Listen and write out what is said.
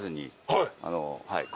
はい。